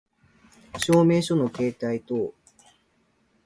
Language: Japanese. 証明書の携帯等